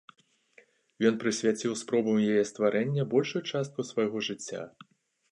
Ён прысвяціў спробам яе стварэння большую частку свайго жыцця.